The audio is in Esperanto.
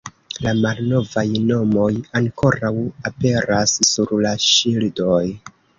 La malnovaj nomoj ankoraŭ aperas sur la ŝildoj.